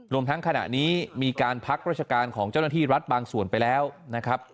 รวมทั้งขณะนี้มีการพักราชการของเจ้าหน้าที่รัฐบางส่วนไปแล้วนะครับ